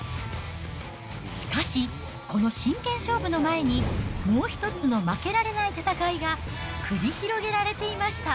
しかし、この真剣勝負の前に、もう一つの負けられない戦いが繰り広げられていました。